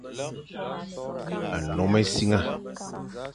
Nnom essiang.